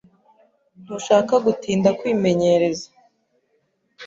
Ntushaka gutinda kwimenyereza.